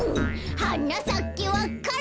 「はなさけわか蘭」